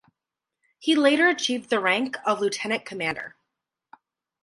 He later achieved the rank of Lieutenant-Commander.